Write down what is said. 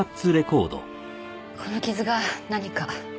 この傷が何か？